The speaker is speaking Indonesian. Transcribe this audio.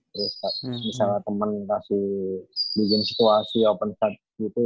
terus misalnya temen kasih bikin situasi open start gitu